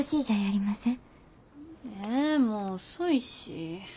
えもう遅いし。